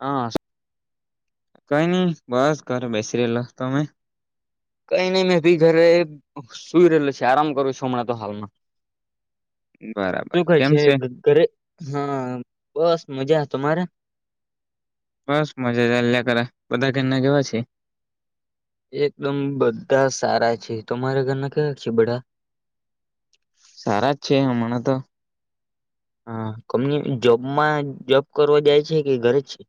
હા કઈ નઈ બસ ઘરે બેસી રહેેલા તમે કઈ નહી મેં ભી ઘરે સુઈ રહેલો છુ આરામ કરું છું, હમણાં તો હાલમાં શું બરાબર કય કેમ છે, ઘરે હા બસ મજા તમારે બસ મજા ચાલ્યા કરા બધા ઘરના કેવા છે એકદમ બધા સારા છે, તમારા ઘરના કવા છે બડા સારા જ છે હમણાં તો હા, કંપની ની જોબમાં જોબ કરવા જાય છે કે ઘરે છે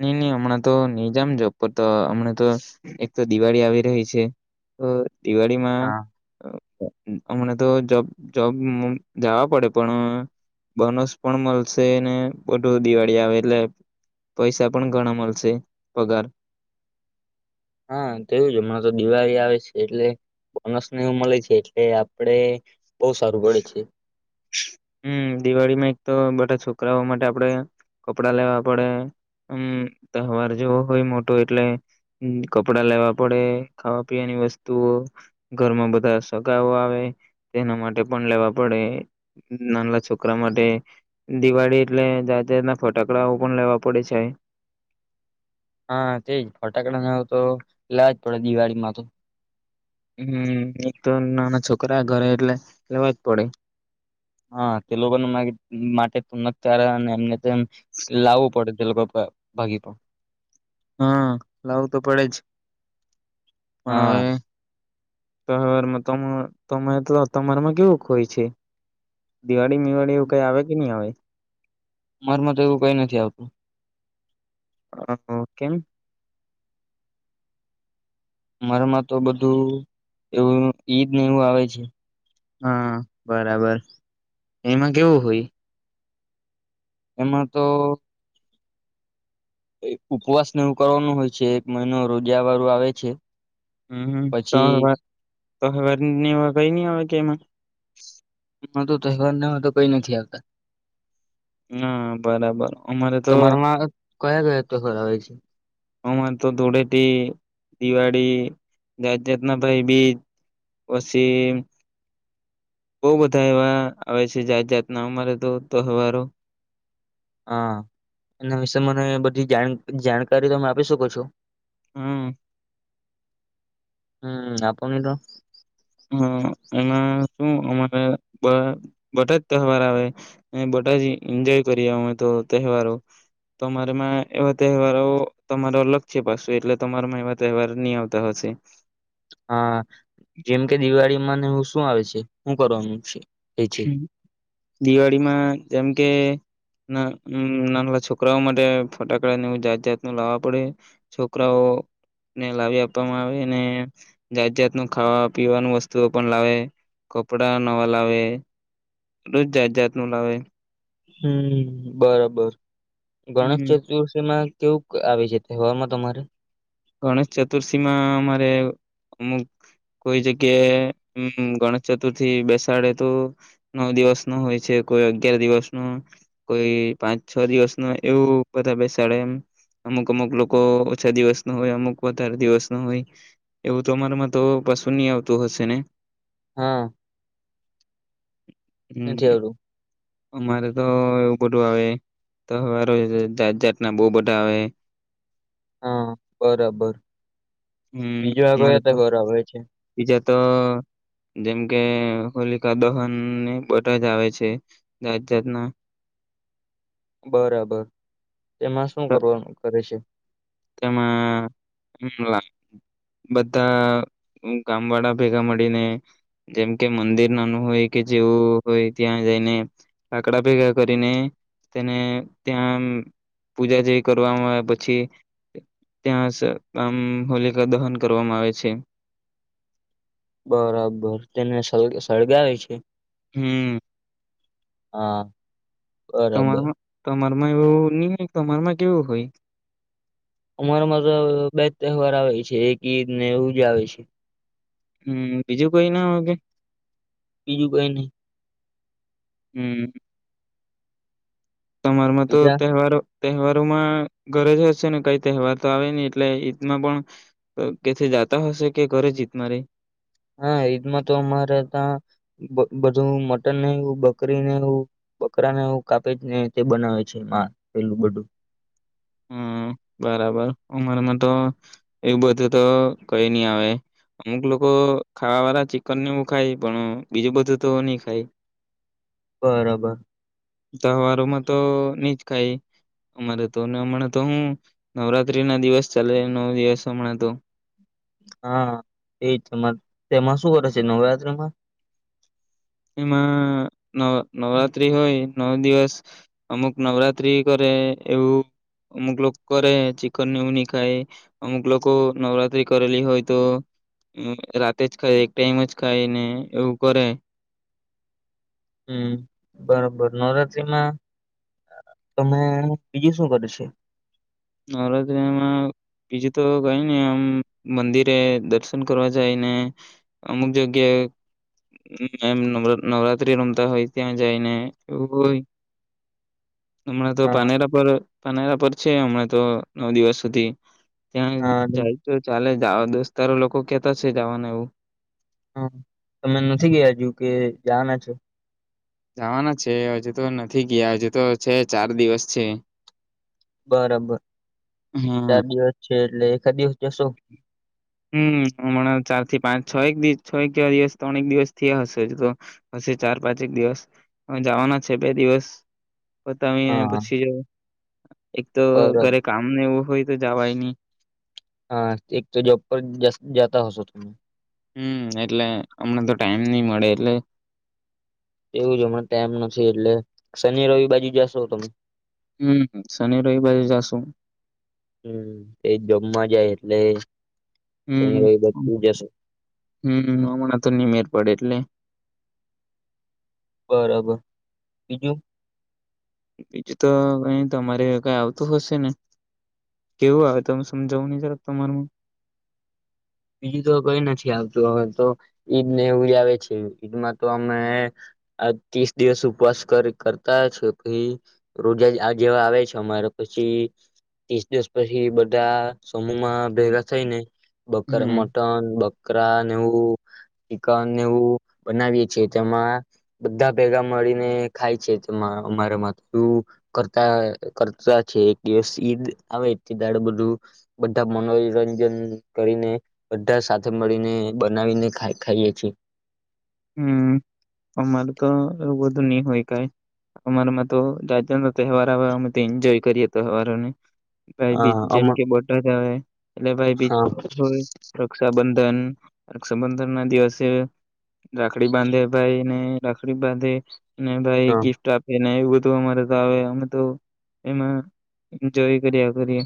ની ની હમણાં તો ની જામ જોબ પર તો હમણાં તો એક તો દિવાળી આવી રહી છે દિવાળીમાં હા હમને તો જોબ જોબ જવા પડે પણ બોનસ પણ મળશે બધું દિવાળી આવે એટલે પૈસા પણ ઘણા મળશે પગાર હા તેવું જ હમણાં તો દિવાળી આવે છે એટલે બોનસ નને એવું મળે છે એટલે આપડે બહુ સારું ગડે છે. હમ દિવાળીમાં એક તો બધા છોકરાઓ માટે આપડે કપડા લેવા પડે હમ તહેવાર જેવો હોય મોટો એટલે કપડા લેવા પડે ખાવા પીવાની વસ્તુઓ ઘરમાં બધા સગાઓ આવે તેના માટે પણ લેવા પડે નાનલા છોકરા માટે દિવાળી એટલે જાતે જાતના ફટાકડાઓ પણ લેવા પડે છે. હા તેજ ફટાકડા ન તો લાવજ પડે દિવાળીમાં તો હમ એક તો નાના છોકરા ઘરે એટલે લેવા જ પડે હા તે લોકો માટે્યારે એમને લાવવું પડે તે લોકો ભાગી પણ હા લાવું તો પડે જ હા. સરમાં તમે તમારમાં કેવું ખોય છે. દિવાળી મિવાળીવું કઈ આવે કે નહીં આવે મારમાં તો એવું કઈ નથી આવતું. હ ઓકે. મારામાં તો બધું એવું ઈદને એવું આવે છે. હા બરાબર એમાં કેવું હોય. એમાં તો. ઉપવાસને એવું કરવાનું હોય છે એક મહિનો રોજ વાળું આવે છે. હમ હ તો પછી હવે. તોરને કઈ નહી આવે કે એમાં. તો તહેવાર નામાં તો કઈ નથી આવતા. હા બરાબર અમારે તો. તમારામાં કયા કયા તો ખરા હોય છે. અમારે તો ધૂળેટી દિવાળી જાત જાતના ભાઈ બીચ પછી બહ બધા એવા આવે છે જાત જાતના અમારે તો તહેવારો. હા એ વિશે મને બધી જા જાણકારી તમે આપી શકો છો. હમ. હમ આપ ન તો. હ એમાં શું અમારા બધા જ તહેવાર આવે અને બધા જ એન્જોય કરીએ અમે તો તહેવારો તમારામાં એવા તહેવારો તમારો લક્ષ્ય પાસે એટલે તમારામાં એવા તહેવાર નહી આવતા હશે. હા જેમ. કે દિવાળીમાંનેું શું આવે છે શું કરવાનું છે. એ છે દિવાળીમાં જેમ કે. ના નાનાલા છોકરાઓ માટે ફટાકડાને એવું જાત જાત ન લાવવા પડે છોકરાઓને લાવી આપવામાં આવે ને જાત જાત નું ખાવા પીવાનું વસ્તુઓ પણ લાવે કપડા નવા લાવે. જ જાત જાત ન લાવે. હમ બરાબર. ગણેશ હમ ચતુર્થી માં. કેવું આવે છે તહેવારમાં તમારે. ગણેશ ચતુર્થીમાં અમારે અમુક કોઈ જગ્યાએ ગણેશ ચતુર્થી બેસાડે તો નવ દિવસ નો હોય છે કોઈ અગિયાર દિવસ નો કોઈ પાંચ છ દિવસ ન એવું બધા બેસાડે એમ અમુક અમુક લોકો ઓછા દિવસ. હોય અમુક વધારે દિવસ ન હોય એવું તો અરામાં તો પશુ નહી આવતું હશે ને. હા. નથી હમ આવવડું. અમારે તો એવું બધું આવે તહેવારો જાત જાતના બહુ બધા આવે. હા, બરાબર હમ, બીજો અરે કયા તો તહેવાર આવે છે બીજા તો જેમ કે હોલી દહન ને બધા જ આવે છે, જાત જાતના બરાબર તેમાં શું કરવાનું કરે છે તેમાં બધા ગામ વાળા ભેગા મળીને જેમ કે મંદિર નાનું હોય કે જેવું હોય ત્યાં જઈને લાકડા ભેગા કરીને તેને ત્યાં પૂજા જેવી કરવામાં આવે પછી, ત્યાં આમ હોલિકા દહન કરવામાં આવે છે બરાબર તેને સ સળગાવે છે હમ હા બરાબર અમાર એવું ન ની હોય તો તમારમાં કેવું હોય અમારામાં તો બે જ તહેવાર આવે છે એક ઈદ ને એવું જ આવે છે હમ, બીજું કોઈ ના હોગે [unintelligible] બીજું કઈ નહી હમ તમારમાં તો બીજા તહેવારો તહેવારોમાં ઘરે જ હશે ને કઈ તહેવાર તો આવે નહી એટલે [unintelligible] ઈતમાં પણ કેથી જાતા હશે કે ઘરે જ હીતમાં રે હા, ઈદમાં તો અમારે ત્યાં બધું મટન ને, એવું બકરીને એવું, બકરા ને એવું કાપી ને તે બનાવે છે, મા પેલું બધું હમ, બરાબર, અમારામાં તો એવું બધું તો કઈ નહી આવે, અમુક લોકો ખાવા વાળા ચિકન નેવું ખાય, પણ બીજું બધું તો ની ખાય બરાબર તહેવારોમાં તો ની જ ખાય અમારે તો હમણા તો હું નવરાત્રીના દિવસ ચાલે નવ દિવસ હમણા તો હા, એ જ તેમાં શું કરે છે, નવરાત્રામાં એમાં નવ નવરાત્રી હોય, નવ દિવસ અમુક નવરાત્રી કરે એવું અમુક લોકો કરે, ચિકન ને એવું ન ની ખાય અમુક લોકો નવરાત્રી કરેલી હોય તો રાતે જ ખાય ને, એક ટાઈમ જ ખાય ને એવું કરે હમ, બરોબર, નવરાત્રીમાં તમે બીજું શું કરે છે નવરાત્રીમાં બીજું તો કઈ ને આમ મંદિરે દર્શન કરવા જાયને, અમુક જગ્યાએ એમ નવરાત્રી રમતા હોય, ત્યાં જાયને એવું હોય હમણાં તો હા પારનેરા પર, પારનેરા પરછ [inaudible] તો, નવ દિવસ સુધી ત્યાં હા નું- જાય તો ચાલે દોસ્તારો લોકો કેતા છે જવાનું એવું. હ, તમે નથી ગયા હજુ કે જવાના છે? જવાના છે હજુ તો નથી ગયા હજુ તો છે ચાર દિવસ છે. બરાબર, ચાર હા દિવસ છે. એટલે એકા દિવસ જશો. હમ હમણાં ચાર થી પાંચ છ એક દિવ છ એકવા દિવસ ત્રણક દિવસ થયા હશે જ તો, હ ચાર પાંચક દિવસ જવાના છે બે દિવસ. પો તમીને હા પૂછી જ. [inaudible] એક તો બરોબર ઘરે કામ ને એવું હોય. જાવાય ની. હા. એક તો જોબ પર જતા હશો તમે? મળડ લલે [unintelligible] એવું જ હમને ટમ નથી એટલે શનિ રવિ બાજુ જશો તમે હમ. શનિ રવિવારે જશુ. લ [unintelligible] હમ, હમ, હમણાં તો ની મેળ પડે એટલે. બરાબર. બીજું? બીજું તો, અ તમારે કઈ આવતું હશે ને કેવું આવે તોમે સમજાવું નહી સરબ, તમારમાં બીજું તો કઈ નથી, આવતું અ તો ઈદ ને એવું આવે છે. ઈદમાં તો અમે આ ત્રીસ દિવસ ઉપવાસ કર કરતા છે, પછી રોઝા આ જેવા આવે છે, અમારે પછી ત્રીસ દિવસ પછી બધા માં ભેગા થઈ ને કર હમ મટન બ [unintelligible] કરા નેવું, ચિકન નેવુ બનાવીએ છે, તેમાં બધા, ભેગા મળીને ખાય છે, તેમાં અમારા માું કરતા કરતા છે. એક દિવસ ઈદ આવેડ બધું બધા મનોરંજન કરીને બધા સાથે મળીને બનાવીને ખાઈએીએ હમ અમારું તો એવું બધું નહી હોય કઈ અમારામાં તો જા તહેવાર આવે અમે તો એન્જોય કરીએ. તહેવારોને ભાઈ બીજ હા અમ જેમ કે, બોટર એટલે ભાઈ બીચ હા હોય રક્ષાબંધન, સંબંધર ના દિવસે રાખડી બાંધે ભાઈ ને રાખડી બાંધે ને ભાઈ હા ગિફ્ટ આપે એવ બધું અમારે તો આવે અમે તો એમાં એન્જોય કર્યા કરી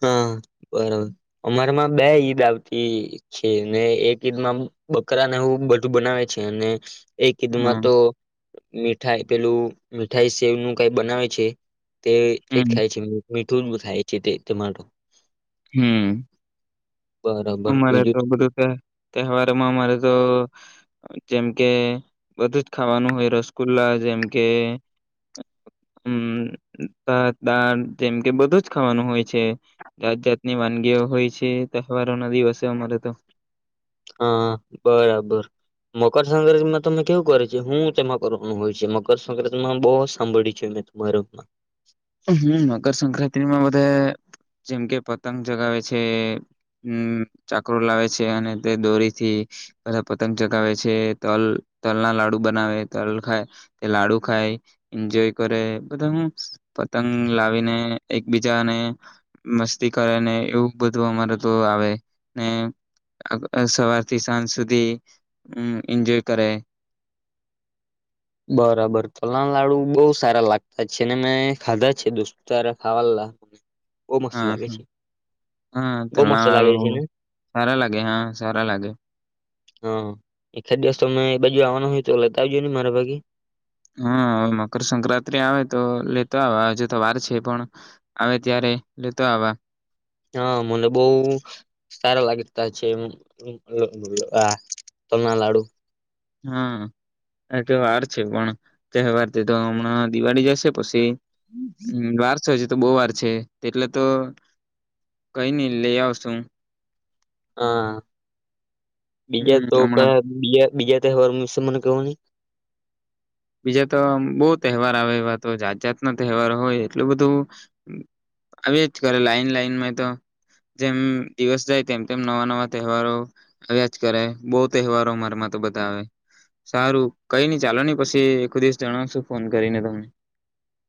હા, બરાબર અમારામાં બે ઈદ આવતી છે, ને એક ઈદમાં બકરાને એું બધું બનાવે છે અને એ કીધમાં હમ તો મીઠાઈ પેલું મઠાઈ સેવ નું કઈ બનાવે છે તે તે જ હમ ખાાય છે મીઠ બ થાય છે તે ટમેટો હમ બરાબર અમારે તો, બીજું બધું તહેવારોમાં અમારે તો જેમ કે, બધું જ ખાવાનું હોય રસગુલ્લા જેમકે હમત દાળ જેમ કે બધું જ ખાવાનું હોય છે જાત જાત ની વાનગીઓ હોય છે તહેવારો ના દિવસે અમારે તો હા, બરાબર મકરસક્રાંતિમાં તમે કેવું કરે છે હું તેમાં કરવાનું હોય છે મકરસક્રાંતિમાં બહુ સાંભળ્યું છે મેં તમારમાં હ મકરસક્રાંતિમાં બધા જેમ કે પતંગ ચગાવે છે ચાકરો લાવે છે અને તે દોરીથી બધા પતંગ ચગાવે છે તલ તલ ના લાડુ બનાવે તલ ખાય તે લાડુ ખાય એન્જોય કરે બધા હું પતંગ લાવીને એકબીજાને મસ્તી કરે ને એવું બધું અમારે તો આવે ને સવાર થી સાંજ સુધી એન્જોય કરે બરાબર તોલાણ લાડુ બહુ સારા લાગતા છે ને મેં ખાધા છે, દોસ્તો તારે ખાવા બહુ મસ્ત હા લાગે હા છે હા બહુ મસ્ત લાગે છે તરણાળું ને સારા લાગે હા સારા લાગે. હા એ ખિવસમે બાજુ આવવાનો હોય તો લતા આવજો ને મારા ભાગી હા, મકરસંક્રાંતિ આવે તો લેતો આ હજુ તો વાર છે પણ આવે ત્યારે લેતો આ હા, મને બહ સારા લાગીતા છે આ તના લાડુ હા કે વાર છે, પણ તહેવાર તો હમણાં દિવાળી જશે પછી હમ વારષ જી તો, બહ વાર છે તેટલે તો કઈ નઈ લઈ આવશું. હા. બીજા હમ્મ, તો કહ હમણાં બીય બીય તહેવાર વિશે મને કવની બીજા તો બહ તહેવાર આવે એવા તો જાત જાત ના તહેવારો હોય એટલું બધું આવ જ કરે લાઈન લાઈનમાં તો જેમ દિવસ જાય તેમ તેમ નવા નવા તહેવારો આવ્યા જ કરે બહ તહેવારો અમારામાં તો બધા આવે સારું કઈ ન ચાલો ન પછી એક દિવસ જણાવશું ફોન કરીને તમને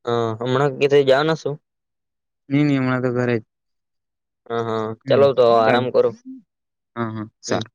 હા હમણાં ક જા ના છું. નહી નહીમણા તો ઘરે જ હા હા હમ ચાલો તો આરામ ચાલો કરો હા હા હમ સારુ.